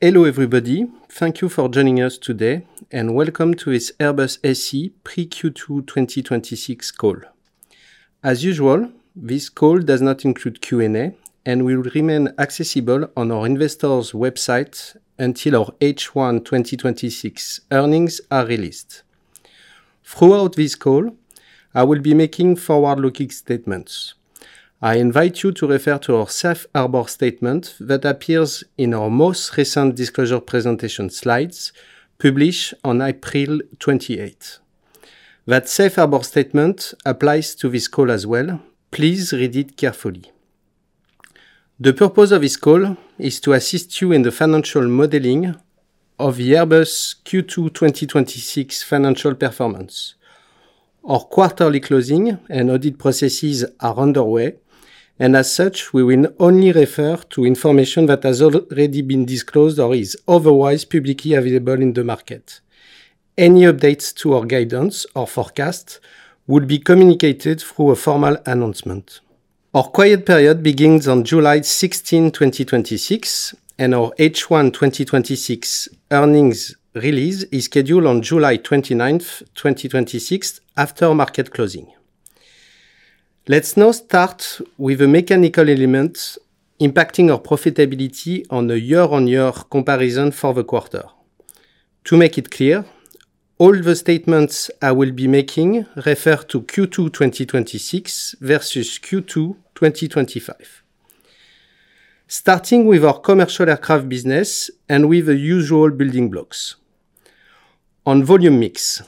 Hello, everybody. Thank you for joining us today, welcome to this Airbus SE Pre-Q2 2026 Call. As usual, this call does not include Q&A and will remain accessible on our investors website until our H1 2026 earnings are released. Throughout this call, I will be making forward-looking statements. I invite you to refer to our safe harbor statement that appears in our most recent disclosure presentation slides published on April 28th. That safe harbor statement applies to this call as well. Please read it carefully. The purpose of this call is to assist you in the financial modeling of the Airbus Q2 2026 financial performance. Our quarterly closing and audit processes are underway, as such, we will only refer to information that has already been disclosed or is otherwise publicly available in the market. Any updates to our guidance or forecast will be communicated through a formal announcement. Our quiet period begins on July 16th, 2026, our H1 2026 earnings release is scheduled on July 29th, 2026, after market closing. Let's now start with the mechanical elements impacting our profitability on a year-on-year comparison for the quarter. To make it clear, all the statements I will be making refer to Q2 2026 versus Q2 2025. Starting with our commercial aircraft business with the usual building blocks. On volume mix,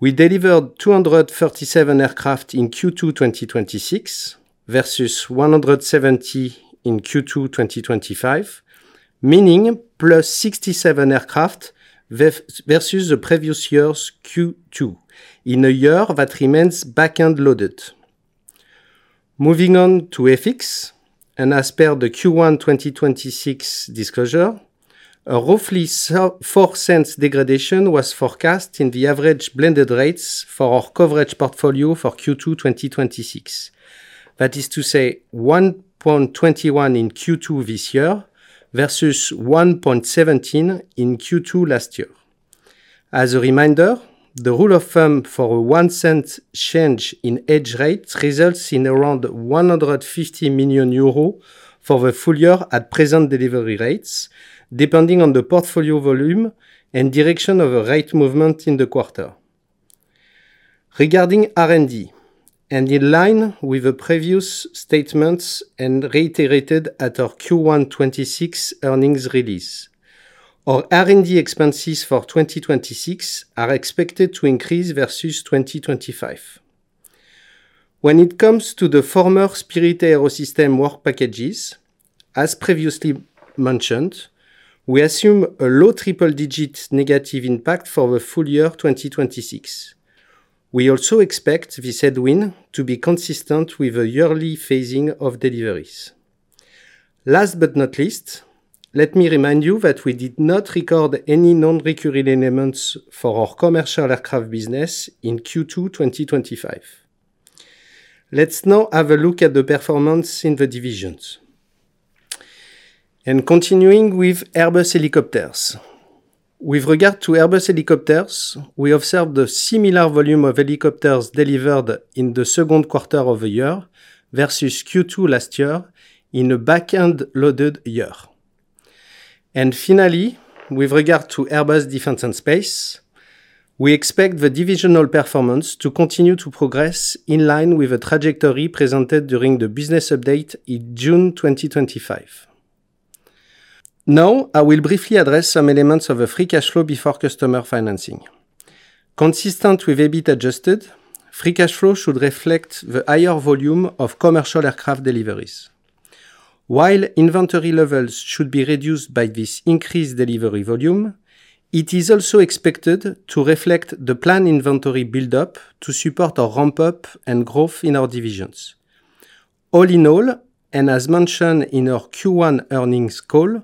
we delivered 237 aircraft in Q2 2026 versus 170 in Q2 2025, meaning plus 67 aircraft versus the previous year's Q2 in a year that remains backend loaded. Moving on to FX, as per the Q1 2026 disclosure, a roughly $0.04 degradation was forecast in the average blended rates for our coverage portfolio for Q2 2026. That is to say $1.21 in Q2 this year versus $1.17 in Q2 last year. As a reminder, the rule of thumb for a $0.01 change in hedge rate results in around 150 million euros for the full year at present delivery rates, depending on the portfolio volume and direction of a rate movement in the quarter. Regarding R&D, in line with the previous statements and reiterated at our Q1 2026 earnings release, our R&D expenses for 2026 are expected to increase versus 2025. When it comes to the former Spirit AeroSystems work packages, as previously mentioned, we assume a low triple-digit negative impact for the full year 2026. We also expect this headwind to be consistent with a yearly phasing of deliveries. Last but not least, let me remind you that we did not record any non-recurring elements for our commercial aircraft business in Q2 2025. Let's now have a look at the performance in the divisions. Continuing with Airbus Helicopters. With regard to Airbus Helicopters, we observed a similar volume of helicopters delivered in the second quarter of the year versus Q2 last year in a backend-loaded year. Finally, with regard to Airbus Defence and Space, we expect the divisional performance to continue to progress in line with the trajectory presented during the business update in June 2025. Now, I will briefly address some elements of the free cash flow before customer financing. Consistent with EBIT adjusted, free cash flow should reflect the higher volume of commercial aircraft deliveries. While inventory levels should be reduced by this increased delivery volume, it is also expected to reflect the planned inventory buildup to support our ramp-up and growth in our divisions. All in all, as mentioned in our Q1 earnings call,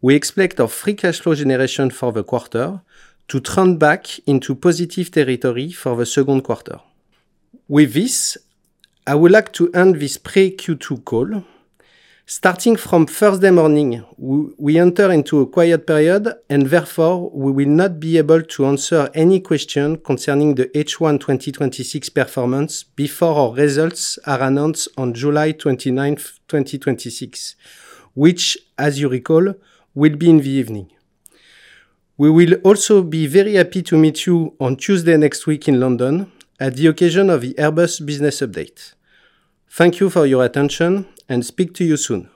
we expect our free cash flow generation for the quarter to turn back into positive territory for the second quarter. With this, I would like to end this pre-Q2 call. Starting from Thursday morning, we enter into a quiet period, and therefore, we will not be able to answer any question concerning the H1 2026 performance before our results are announced on July 29th, 2026, which, as you recall, will be in the evening. We will also be very happy to meet you on Tuesday next week in London at the occasion of the Airbus Business Update. Thank you for your attention and speak to you soon.